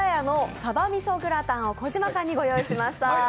さばみそグラタンを小島さんにご用意しました。